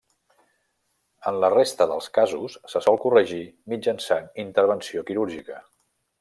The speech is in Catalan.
En la resta dels casos se sol corregir mitjançant intervenció quirúrgica.